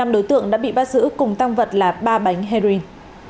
năm đối tượng đã bị bắt giữ cùng tăng vật là ba bánh heroin